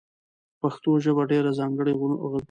پښتو ژبه ډېر ځانګړي غږونه لري.